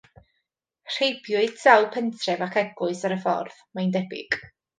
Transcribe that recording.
Rheibiwyd sawl pentref ac eglwys ar y ffordd, mae'n debyg.